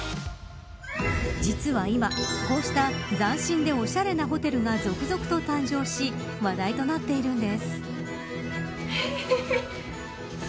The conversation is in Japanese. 実は今、こうした斬新でおしゃれなホテルが続々と誕生し話題となっているんです。